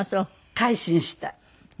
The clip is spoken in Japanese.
改心した。